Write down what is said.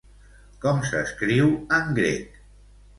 Com s'escriu en grec?